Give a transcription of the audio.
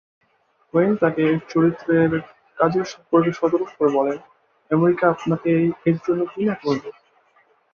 When তাকে এই চরিত্রে কাজের সম্পর্কে সতর্ক করে বলেন, "আমেরিকা আপনাকে এর জন্য ঘৃণা করবে।"